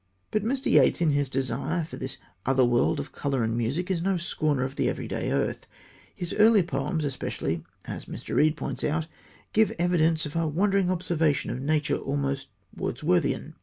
But Mr. Yeats, in his desire for this other world of colour and music, is no scorner of the everyday earth. His early poems especially, as Mr. Reid points out, give evidence of a wondering observation of Nature almost Wordsworthian.